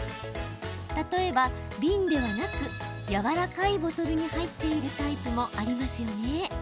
例えば、瓶ではなくやわらかいボトルに入っているタイプもありますよね。